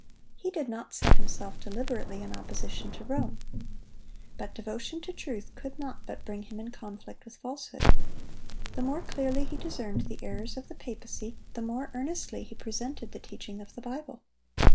He did not set himself deliberately in opposition to Rome. But devotion to truth could not but bring him in conflict with falsehood. The more clearly he discerned the errors of the papacy, the more earnestly he presented the teaching of the Bible.